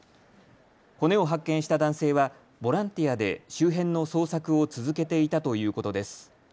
骨を発見した男性はボランティアで周辺の捜索を続けていたということです。